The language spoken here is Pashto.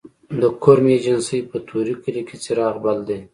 د کرم ایجنسۍ په طوري کلي کې څراغ بل دی